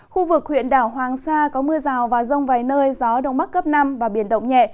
khu vực huyện đảo hoàng sa có mưa rào và rông vài nơi gió đông bắc cấp năm và biển động nhẹ